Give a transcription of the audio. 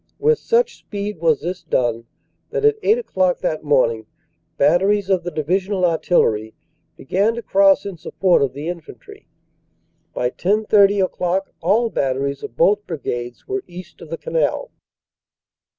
With such speed was this done that at eight o clock that morning batteries of the Divisional Artillery began to cross in support of the infantry. By 10.30 o clock all batteries of both brigades were east of the Canal.